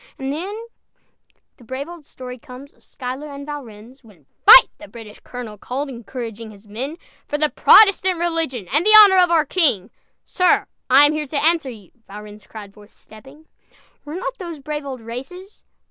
And then the brave old story comes, Of Schuyler and Valrennes, When "Fight" the British colonel called, Encouraging his men, "For the Protestant Religion And the honor of our King!" "Sir, I am here to answer you!" Valrennes cried, forthstepping. Were not those brave old races?